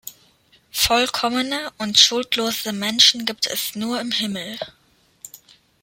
Vollkommene und schuldlose Menschen gibt es nur im Himmel.